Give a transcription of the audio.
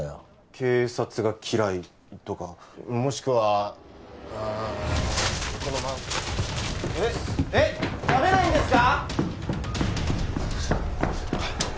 警察が嫌いとかもしくはああこのええ食べないんですか？